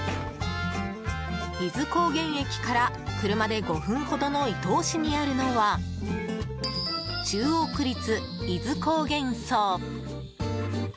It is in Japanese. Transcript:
伊豆高原駅から車で５分ほどの伊東市にあるのは中央区立伊豆高原荘。